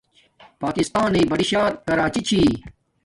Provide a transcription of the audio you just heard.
پاکستایݵ بڑی شار کراچی چھی